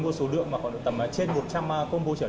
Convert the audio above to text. nhưng mà gọi là mua hàng thì em sẽ gửi hàng